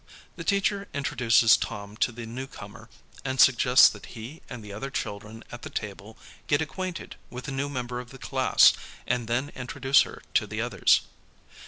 The teacher introduces Tom to the newcomer and suggests that he and the other children at the table get acquainted with the new member of the class and then introduce her to the others.